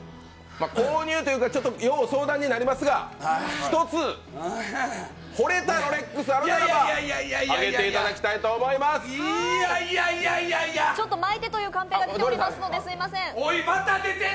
購入というか、要相談になりますが１つ、ほれたロレックスあるならば、いやいやいやいや「まいて」というカンペが出ておりますので、すみません。